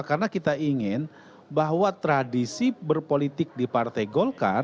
karena kita ingin bahwa tradisi berpolitik di partai golkar